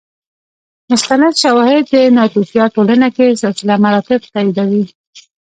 مستند شواهد د ناتوفیا ټولنه کې سلسله مراتب تاییدوي